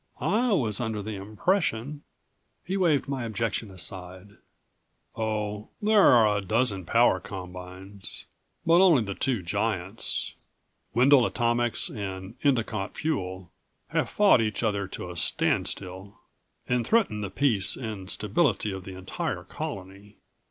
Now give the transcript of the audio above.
"I was under the impression " He waved my objection aside. "Oh, there are a dozen power combines. But only the two giants Wendel Atomics and Endicott Fuel have fought each other to a standstill and threaten the peace, and stability of the entire colony.